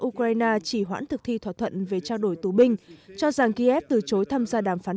ukraine chỉ hoãn thực thi thỏa thuận về trao đổi tù binh cho rằng kiev từ chối tham gia đàm phán